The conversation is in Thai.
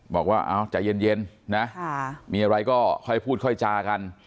บอกว่าใจเย็นนะมีอะไรก็ค่อยพูดค่อยจากัน